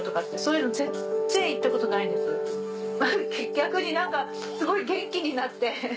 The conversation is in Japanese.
逆に何かすごい元気になって。